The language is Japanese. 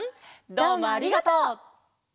どうもありがとう！